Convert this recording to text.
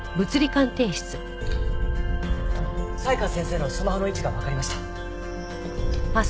才川先生のスマホの位置がわかりました。